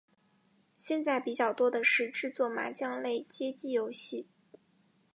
现在比较多的是制作麻将类街机游戏。